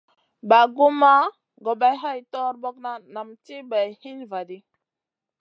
Bagumna gobay hay torbokna nam ti bay hin va ɗi.